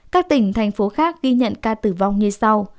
các tỉnh thành phố khác ghi nhận ca tử vong như sau